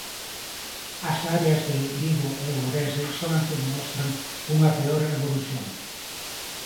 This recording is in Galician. As áreas de Vigo e Ourense son as que mostran unha peor evolución.